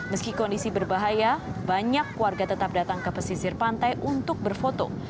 meski kondisi berbahaya banyak warga tetap datang ke pesisir pantai untuk berfoto